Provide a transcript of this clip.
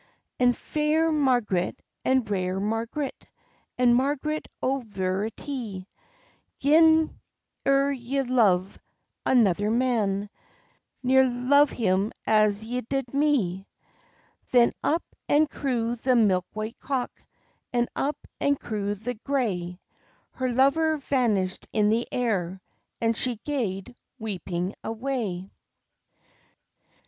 "And fair Marg'ret, and rare Marg'ret, And Marg'ret, o' veritie, Gin ere ye love another man, Ne'er love him as ye did me." Then up and crew the milk white cock, And up and crew the gray; Her lover vanish'd in the air, And she gaed weeping away.